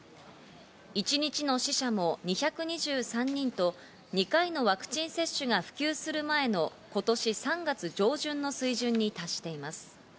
一日の感染者も２２３人と２回のワクチン接種が普及する前の今年３月上旬の水準に達しています。